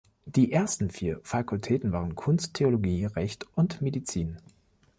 Die ersten vier Fakultäten waren Kunst, Theologie, Recht und Medizin.